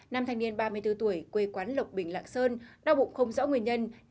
năm thành niên ba mươi bốn tuổi quê quán lộc bình lạc sơn đau bụng không rõ nguyên nhân